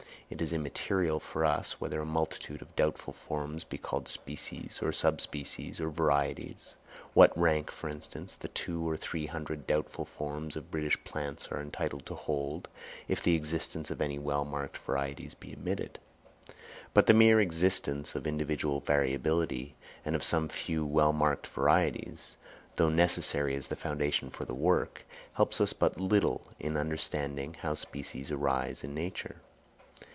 It is immaterial for us whether a multitude of doubtful forms be called species or sub species or varieties; what rank, for instance, the two or three hundred doubtful forms of British plants are entitled to hold, if the existence of any well marked varieties be admitted. But the mere existence of individual variability and of some few well marked varieties, though necessary as the foundation for the work, helps us but little in understanding how species arise in nature.